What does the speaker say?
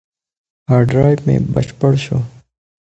هارد ډرایو مې بشپړ شو.